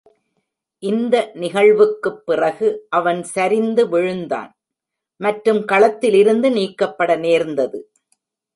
இந்த நிகழ்வுக்குப் பிறகு அவன் சரிந்து விழுந்தான் மற்றும் களத்திலிருந்து நீக்கப்பட நேர்ந்தது.